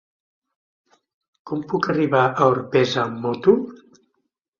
Com puc arribar a Orpesa amb moto?